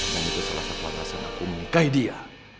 dan itu salah satu alasan aku menikahi dia